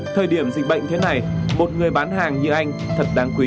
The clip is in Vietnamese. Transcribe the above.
thời điểm dịch bệnh thế này một người bán hàng như anh thật đáng quý